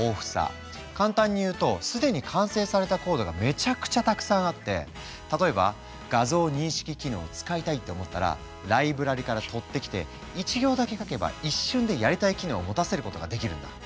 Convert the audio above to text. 簡単に言うと既に完成されたコードがめちゃくちゃたくさんあって例えば画像認識機能を使いたいって思ったらライブラリから取ってきて１行だけ書けば一瞬でやりたい機能を持たせることができるんだ。